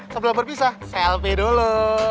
sebelum berpisah selfie dulu